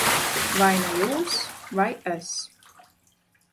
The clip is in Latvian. Vai nu jūs, vai es.